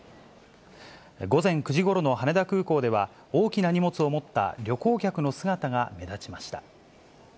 午前９時ごろの羽田空港では、大きな荷物を持った旅行客の姿が目立ちました。